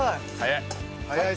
早い。